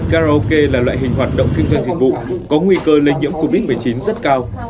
karaoke là loại hình hoạt động kinh doanh dịch vụ có nguy cơ lây nhiễm covid một mươi chín rất cao